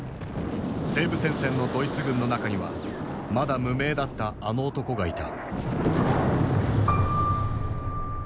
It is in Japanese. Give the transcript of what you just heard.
西部戦線のドイツ軍の中にはまだ無名だったあの男がいた。